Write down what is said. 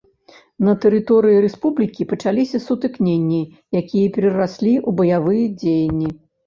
На тэрыторыі рэспублікі пачаліся сутыкненні, якія перараслі ў баявыя дзеянні.